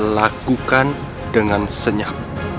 lakukan dengan senyap